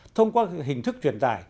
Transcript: thông qua hình thức truyền tải